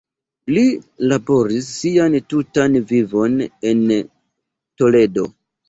Li laboris sian tutan vivon en Toledo.